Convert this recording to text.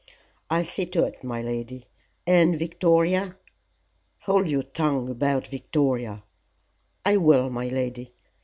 "I'll see to it, my lady. And Victoria ?" "Hold your tongue about Victoria." "I will, my lady.